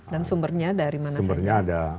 dan sumbernya dari mana saja